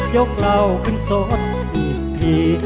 เราขึ้นสนอีกที